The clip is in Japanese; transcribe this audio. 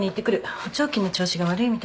補聴器の調子が悪いみたいだから。